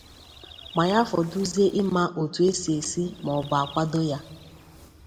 ma ya fọdụzie ịma otu e si esi ma ọ bụ akwado ya